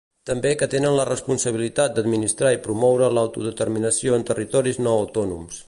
També que tenen la responsabilitat d'administrar i promoure l'autodeterminació en territoris no autònoms.